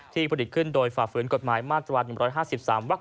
ผลิตขึ้นโดยฝ่าฝืนกฎหมายมาตรา๑๕๓วัก๒